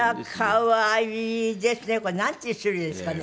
これなんていう種類ですかね？